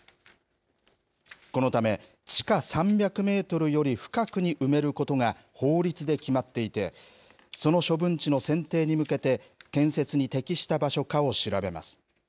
このため、地下３００メートルより深くに埋めることが、法律で決まっていて、その処分地の選定に向けて、建設に適した場所かを調べます。